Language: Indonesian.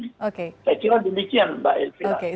saya kira demikian